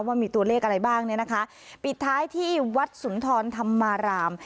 ว่ามีตัวเลขอะไรบ้างเนี่ยนะคะปิดท้ายที่วัดสุนทรธรรมาราม